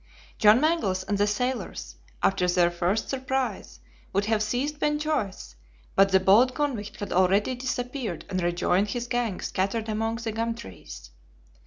John Mangles and the sailors, after their first surprise, would have seized Ben Joyce; but the bold convict had already disappeared and rejoined his gang scattered among the gum trees.